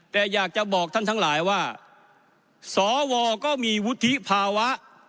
แต่อยากจะบอกท่านทั้งหลายว่าสวก็มีวุฒิภาวะ